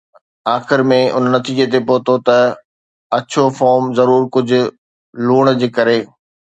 آخر ۾ ان نتيجي تي پهتو ته اڇو فوم ضرور ڪجهه لوڻ جي ڪري